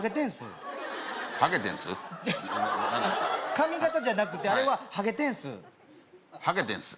髪形じゃなくてあれはハゲてんすハゲテンス？